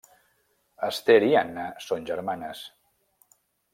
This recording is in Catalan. Ester i Anna són germanes.